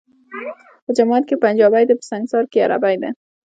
په جماعت کي پنجابی دی ، په سنګسار کي عربی دی